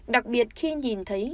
đặc biệt khi nhìn thấy